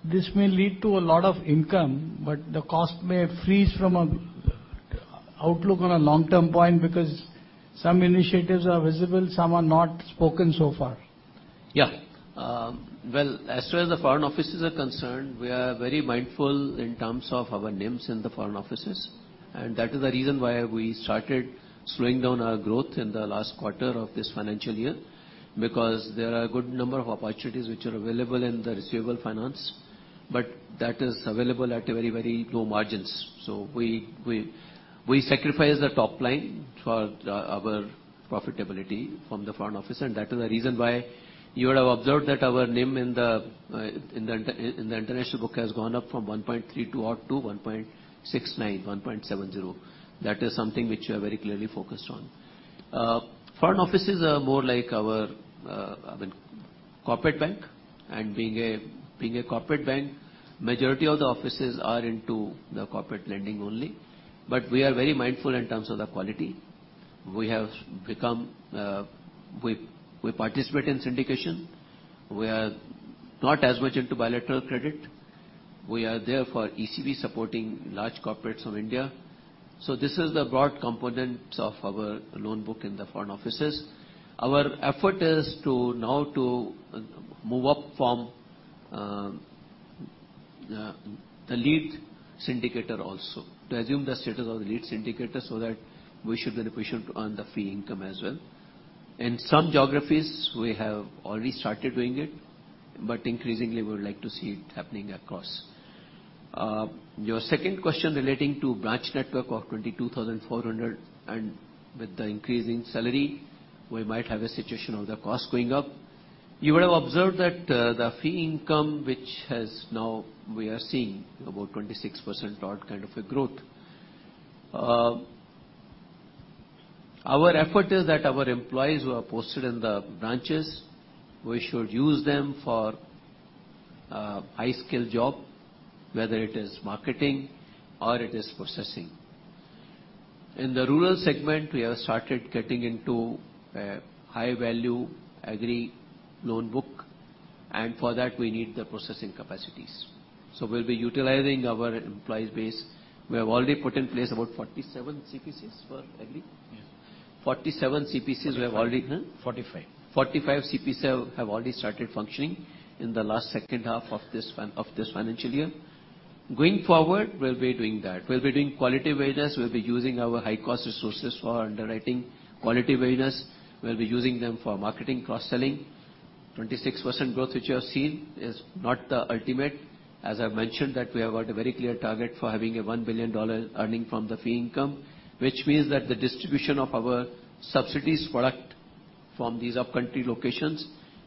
This may lead to a lot of income, but the cost may freeze from a outlook on a long-term point because some initiatives are visible, some are not spoken so far. Yeah. Well, as far as the foreign offices are concerned, we are very mindful in terms of our NIMs in the foreign offices. That is the reason why we started slowing down our growth in the last quarter of this financial year, because there are a good number of opportunities which are available in the receivable finance. That is available at a very, very low margins. We sacrifice the top line for our profitability from the foreign office. That is the reason why you would have observed that our NIM in the international book has gone up from 1.32% odd to 1.69%, 1.70%. That is something which we are very clearly focused on. Foreign offices are more like our, I mean, corporate bank. Being a corporate bank, majority of the offices are into the corporate lending only, but we are very mindful in terms of the quality. We participate in syndication. We are not as much into bilateral credit. We are there for ECB supporting large corporates from India. This is the broad components of our loan book in the foreign offices. Our effort is to now to move up from the lead syndicator also, to assume the status of lead syndicator so that we should be able to earn the fee income as well. In some geographies, we have already started doing it, but increasingly we would like to see it happening across. Your second question relating to branch network of 22,400 and with the increase in salary, we might have a situation of the cost going up. You would have observed that the fee income which has now we are seeing about 26% odd kind of a growth. Our effort is that our employees who are posted in the branches, we should use them for high-skill job, whether it is marketing or it is processing. In the rural segment, we have started getting into a high-value agri loan book, and for that we need the processing capacities. We'll be utilizing our employee base. We have already put in place about 47 CPCs for agri. Yes. 47 CPCs we have already- Forty-five. Huh? Forty-five. 45 CPCs have already started functioning in the last second half of this financial year. Going forward, we'll be doing that. We'll be doing quality business. We'll be using our high-cost resources for underwriting quality business. We'll be using them for marketing, cross-selling. 26% growth, which you have seen, is not the ultimate. As I mentioned that we have got a very clear target for having a $1 billion earning from the fee income, which means that the distribution of our subsidies product from these upcountry locations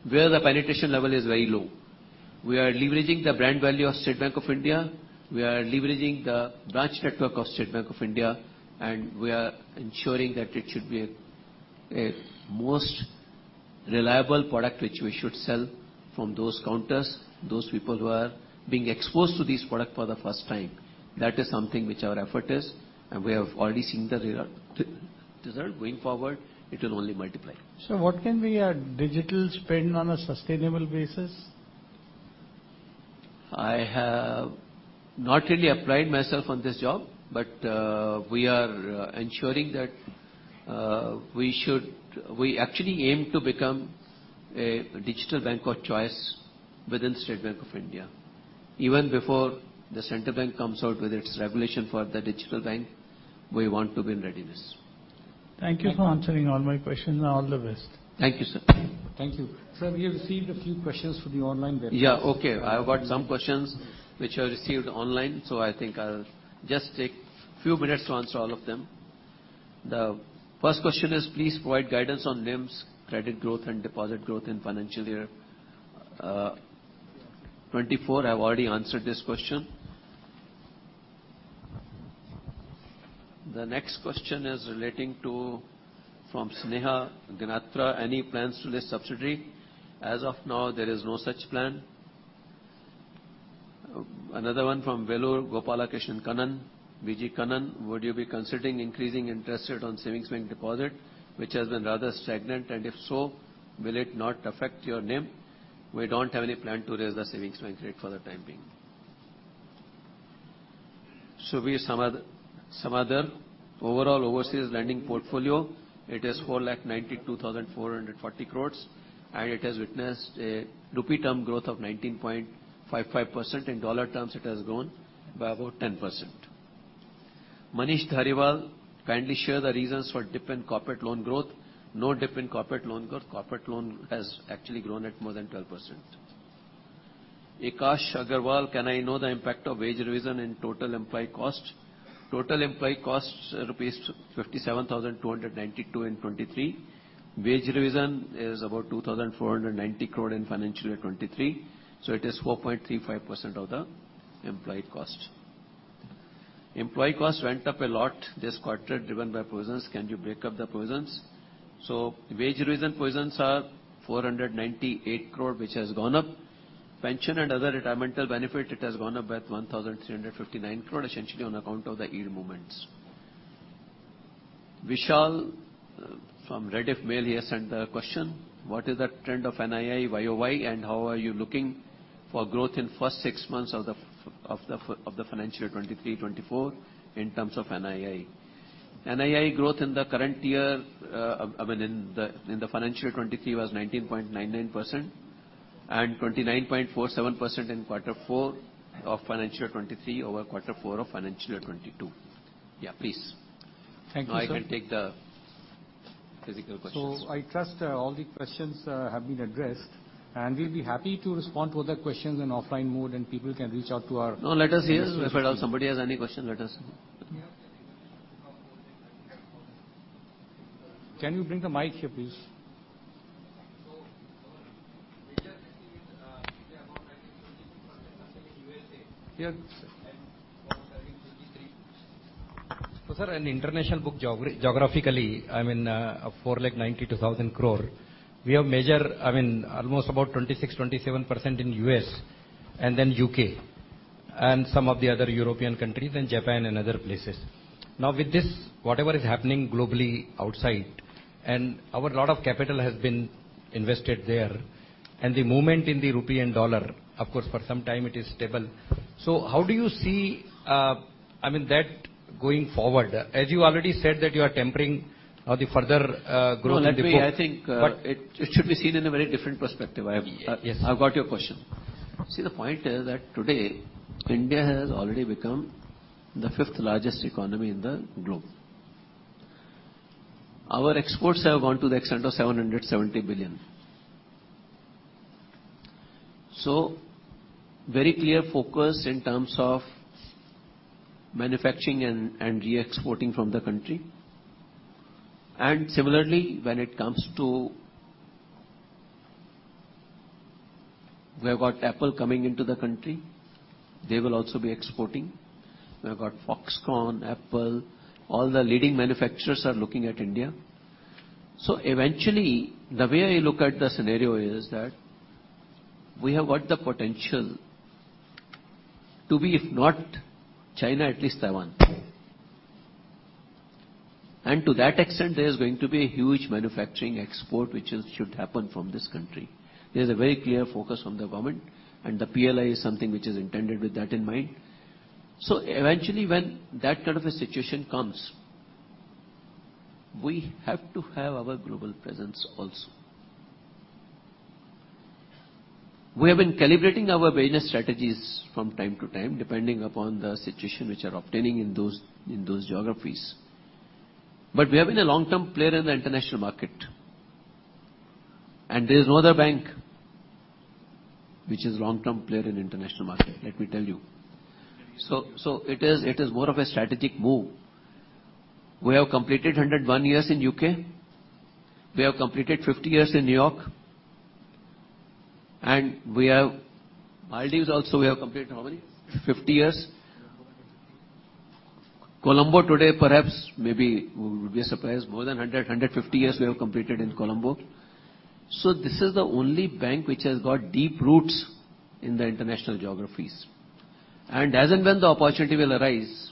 where the penetration level is very low. We are leveraging the brand value of State Bank of India. We are leveraging the branch network of State Bank of India. We are ensuring that it should be a most reliable product which we should sell from those counters, those people who are being exposed to this product for the first time. That is something which our effort is. We have already seen the result. Going forward, it will only multiply. What can be our digital spend on a sustainable basis? I have not really applied myself on this job, but we are ensuring that We actually aim to become a digital bank of choice within State Bank of India. Even before the central bank comes out with its regulation for the digital bank, we want to be in readiness. Thank you for answering all my questions. All the best. Thank you, sir. Thank you. Sir, we have received a few questions from the online delegates. Okay. I have got some questions which I received online, I think I'll just take few minutes to answer all of them. The first question is please provide guidance on NIMs credit growth and deposit growth in financial year 2024. I've already answered this question. The next question is from Sneha Ganatra, any plans to list subsidiary? As of now, there is no such plan. Another one from Velu Gopalakrishnan Kannan, V.G. Kannan, would you be considering increasing interest rate on savings bank deposit, which has been rather stagnant? If so, will it not affect your NIM? We don't have any plan to raise the savings bank rate for the time being. Subir Samaddar. Overall overseas lending portfolio, it is 4,92,440 crore, it has witnessed a rupee term growth of 19.55%. In dollar terms, it has grown by about 10%. Manish Dhariwal, kindly share the reasons for dip in corporate loan growth. No dip in corporate loan growth. Corporate loan has actually grown at more than 12%. Akash Agarwal, can I know the impact of wage revision in total employee cost? Total employee costs rupees 57,292 in 2023. Wage revision is about 2,490 crore in financial year 2023, so it is 4.35% of the employee cost. Employee cost went up a lot this quarter driven by provisions. Can you break up the provisions? Wage revision provisions are 498 crore, which has gone up. Pension and other retirement benefit, it has gone up by 1,359 crore, essentially on account of the yield movements. Vishal from Rediffmail, he has sent a question. What is the trend of NII YOY, and how are you looking for growth in first six months of the financial 2023/2024 in terms of NII? NII growth in the current year, I mean, in the financial 2023 was 19.99% and 29.47% in quarter four of financial 2023 over quarter four of financial 2022. Yeah. Please. Thank you, sir. Now I can take the. I trust all the questions have been addressed, and we'll be happy to respond to other questions in offline mode, and people can reach out to our-. No, let us hear if at all somebody has any question, let us. Can you bring the mic here, please? Yes. Sir, in international book geographically, 492,000 crore, we have major. almost about 26%-27% in U.S. and then UK. and some of the other European countries and Japan and other places. With this, whatever is happening globally outside and our lot of capital has been invested there, and the movement in the rupee and dollar, of course, for some time it is stable. How do you see that going forward? As you already said that you are tempering the further growth in the book. No, let me.I think. But- It should be seen in a very different perspective. Yes. I've got your question. See, the point is that today India has already become the fifth largest economy in the globe. Our exports have gone to the extent of $770 billion. Very clear focus in terms of manufacturing and re-exporting from the country. Similarly, we have got Apple coming into the country. They will also be exporting. We've got Foxconn, Apple, all the leading manufacturers are looking at India. Eventually, the way I look at the scenario is that we have got the potential to be, if not China, at least Taiwan. To that extent, there's going to be a huge manufacturing export which is should happen from this country. There's a very clear focus from the government, and the PLI is something which is intended with that in mind. Eventually, when that kind of a situation comes, we have to have our global presence also. We have been calibrating our business strategies from time to time, depending upon the situation which are obtaining in those geographies. We have been a long-term player in the international market, and there is no other bank which is long-term player in international market, let me tell you. It is more of a strategic move. We have completed 101 years in UK. We have completed 50 years in New York. Maldives also we have completed how many? 50 years. Colombo today perhaps, maybe we would be surprised, more than 100, 150 years we have completed in Colombo. This is the only bank which has got deep roots in the international geographies. As and when the opportunity will arise,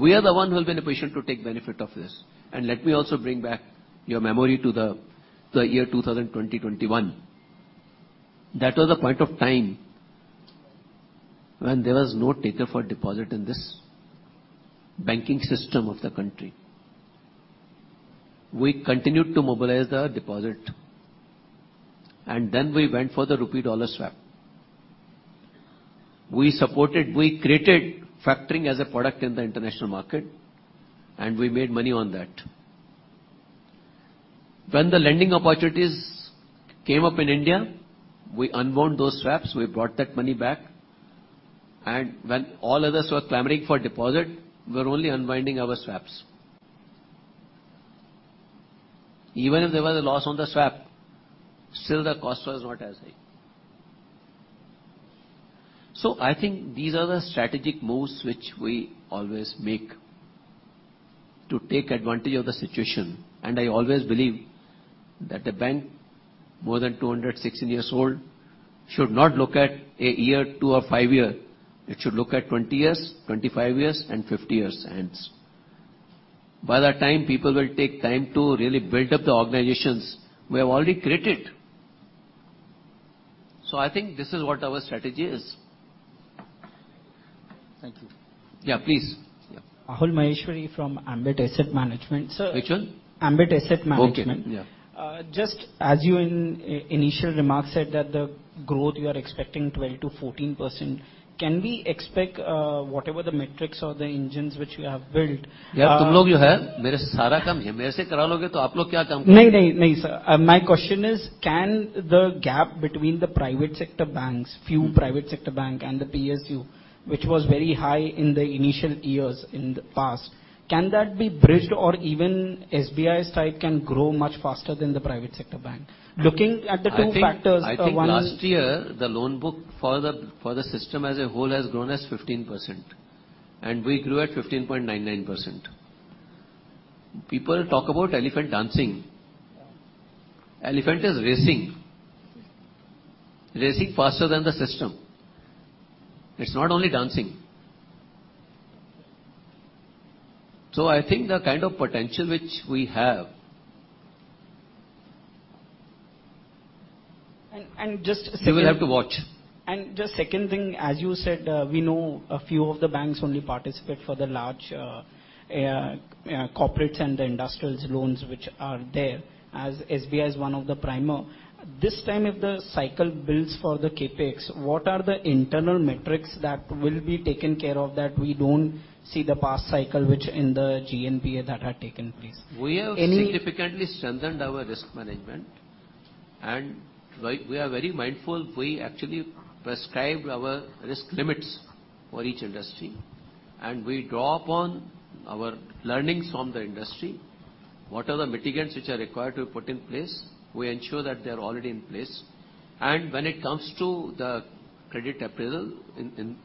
we are the one who will be in a position to take benefit of this. Let me also bring back your memory to the year 2020, 2021. That was a point of time when there was no taker for deposit in this banking system of the country. We continued to mobilize the deposit, and then we went for the rupee-dollar swap. We created factoring as a product in the international market, and we made money on that. When the lending opportunities came up in India, we unwound those swaps, we brought that money back. When all others were clamoring for deposit, we were only unwinding our swaps. Even if there was a loss on the swap, still the cost was not as high. I think these are the strategic moves which we always make to take advantage of the situation, and I always believe that the bank more than 216 years old should not look at one year, two or five years. It should look at 20 years, 25 years and 50 years hence. By that time, people will take time to really build up the organizations. We have already created. I think this is what our strategy is. Thank you. Yeah, please. Yeah. Rahul Maheshwari from Ambit Asset Management. Which one? Ambit Asset Management. Okay. Yeah. Just as you in initial remarks said that the growth you are expecting 12%-14%, can we expect whatever the metrics or the engines which you have built, Sir, my question is, can the gap between the private sector banks, few private sector bank and the PSU, which was very high in the initial years in the past, can that be bridged or even SBI's type can grow much faster than the private sector bank? Looking at the two factors, one- I think last year the loan book for the system as a whole has grown as 15%, we grew at 15.99%. People talk about elephant dancing. Elephant is racing. Racing faster than the system. It's not only dancing. I think the kind of potential which we have. just second- You will have to watch. Just second thing, as you said, we know a few of the banks only participate for the large, corporates and the industrials loans which are there, as SBI is one of the primer. This time, if the cycle builds for the CapEx, what are the internal metrics that will be taken care of that we don't see the past cycle, which in the GNPA that had taken place? We have significantly strengthened our risk management. We are very mindful. We actually prescribe our risk limits for each industry. We draw upon our learnings from the industry. What are the mitigants which are required to be put in place, we ensure that they're already in place. When it comes to the credit appraisal in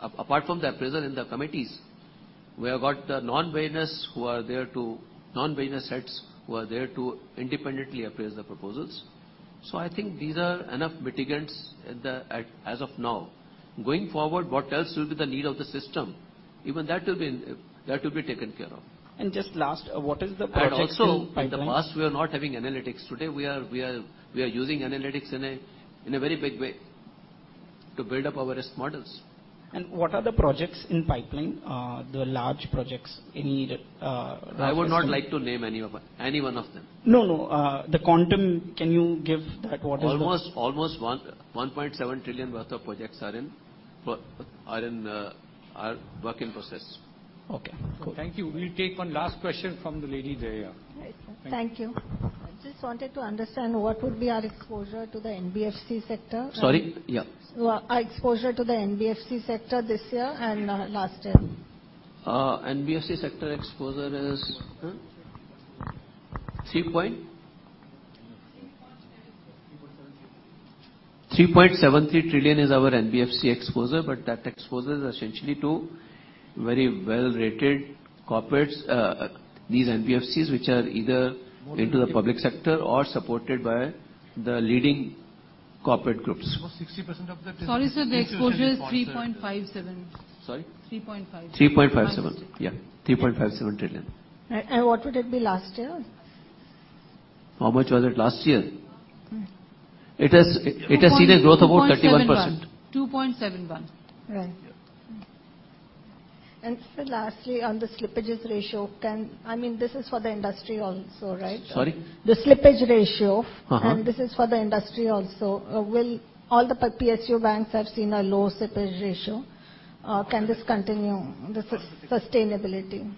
apart from the appraisal in the committees, we have got the non-business heads who are there to independently appraise the proposals. I think these are enough mitigants at the as of now. Going forward, what else will be the need of the system, even that will be taken care of. just last, what is the projects in pipeline? Also, in the past, we were not having analytics. Today, we are using analytics in a very big way to build up our risk models. What are the projects in pipeline? The large projects, any? I would not like to name any of them, any one of them. No, no. The quantum, can you give that? What is. Almost 1.7 trillion worth of projects are work in process. Okay, cool. Thank you. We'll take one last question from the lady there, yeah. Right. Thank you. I just wanted to understand what would be our exposure to the NBFC sector. Sorry? Yeah. Our exposure to the NBFC sector this year and last year. NBFC sector exposure is 3.73 trillion is our NBFC exposure. That exposure is essentially to very well-rated corporates. These NBFCs, which are either into the public sector or supported by the leading corporate groups. 60% of the Sorry, sir. The exposure is 3.57. Sorry? 3.57. INR 3.57. Yeah. 3.57 trillion. What would it be last year? How much was it last year? Hmm. It has seen a growth of about 31%. 2.71. Right. Yeah. Sir, lastly, on the slippages ratio, I mean, this is for the industry also, right? Sorry? The slippage ratio. Uh-huh. This is for the industry also. Will all the PSU banks have seen a low slippage ratio? Can this continue the sustainability?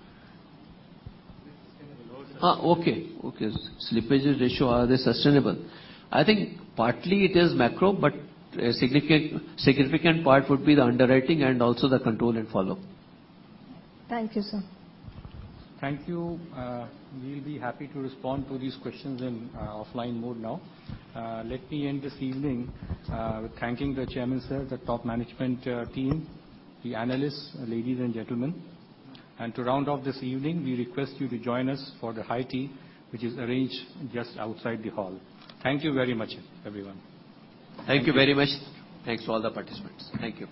Okay. Okay. Slippages ratio, are they sustainable? I think partly it is macro, but a significant part would be the underwriting and also the control and follow. Thank you, sir. Thank you. We'll be happy to respond to these questions in offline mode now. Let me end this evening with thanking the chairman, sir, the top management team, the analysts, ladies and gentlemen. To round off this evening, we request you to join us for the high tea which is arranged just outside the hall. Thank you very much, everyone. Thank you very much. Thanks to all the participants. Thank you.